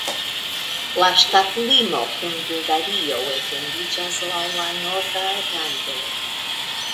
La ŝtatlimo kun Bulgario etendiĝas laŭ la norda rando.